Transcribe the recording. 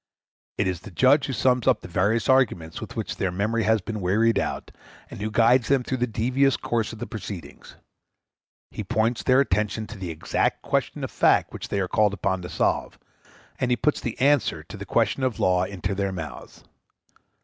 It is the judge who sums up the various arguments with which their memory has been wearied out, and who guides them through the devious course of the proceedings; he points their attention to the exact question of fact which they are called upon to solve, and he puts the answer to the question of law into their mouths.